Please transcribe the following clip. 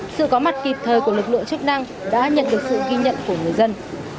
sự có mặt kịp thời của lực lượng chức năng đã nhận được sự ghi nhận của người dân